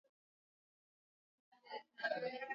mtandao wa mapenzi